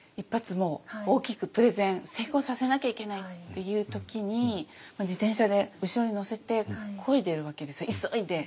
もう大きくプレゼン成功させなきゃいけないっていう時に自転車で後ろに乗せてこいでるわけです急いで。